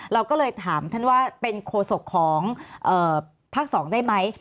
เราก็เลยถามท่านว่าเป็นโคศกของภาค๒ได้ไหม